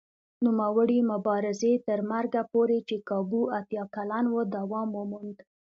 نوموړي مبارزې تر مرګه پورې چې کابو اتیا کلن و دوام وموند.